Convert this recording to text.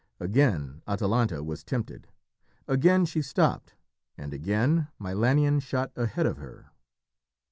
Again Atalanta was tempted. Again she stopped, and again Milanion shot ahead of her.